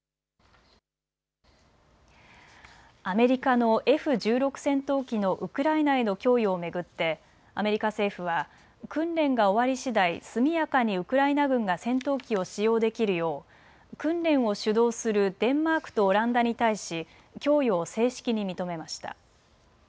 アメリカのＦ１６戦闘機のウクライナへの供与を巡ってアメリカ政府は訓練が終わりしだい速やかにウクライナ軍が戦闘機を使用できるよう訓練を主導するデンマークとオランダに対し供与を正式に認めました。